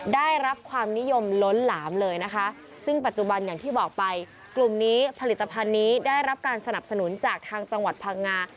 ได้รับความนิยมล้นหลามเลยนะคะซึ่งปัจจุบันอย่างที่บอกไปกลุ่มนี้ผลิตภัณฑ์นี้ได้รับการสนับสนุนจากทางจังหวัดพังงา